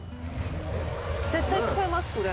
絶対使いますこれ。